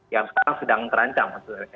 yang sekarang sedang terancam